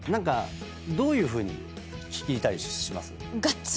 どういうふうに聞いたりします？